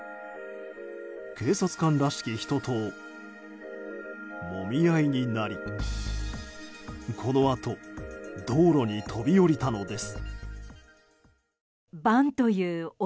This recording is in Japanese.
警察官らしき人ともみ合いになりこのあと道路に飛び降りたのです。